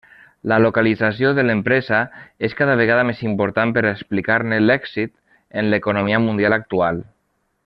La localització de l'empresa és cada vegada més important per a explicar-ne l'èxit en l'economia mundial actual.